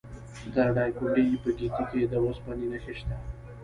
د دایکنډي په ګیتي کې د وسپنې نښې شته.